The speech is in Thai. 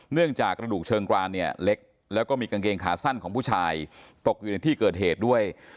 กระดูกเชิงกรานเนี่ยเล็กแล้วก็มีกางเกงขาสั้นของผู้ชายตกอยู่ในที่เกิดเหตุด้วย